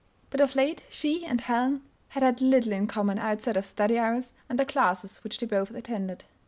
But of late she and Helen had had little in common outside of study hours and the classes which they both attended.